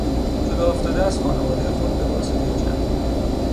جداافتاده از خانوادهی خود به واسطهی جنگ